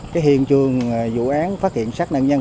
cái hiện trường vụ án phát hiện sát nạn nhân